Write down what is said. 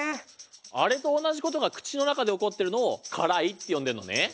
あれとおなじことがくちのなかでおこってるのをからいってよんでんのね。